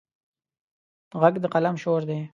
غږ د قلم شور دی